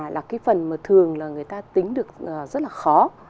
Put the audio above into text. là cái phần mà thường là người ta tính được rất là khó